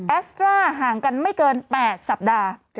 แอสตราห่างกันไม่เกิน๘สัปดาห์